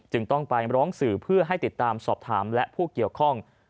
ต้องไปร้องสื่อเพื่อให้ติดตามสอบถามและผู้เกี่ยวข้อง